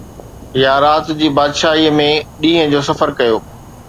يا رات جي بادشاهي ۾ ڏينهن جو سفر ڪيو؟